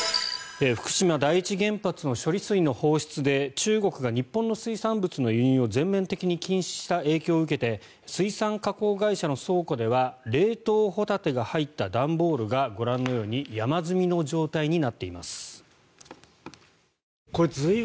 福島第一原発の処理水の放出で中国が日本の水産物の輸入を全面的に禁止したことを受けて水産加工会社の倉庫では冷凍ホタテが入った段ボールがご覧のように山積みの状態になっています。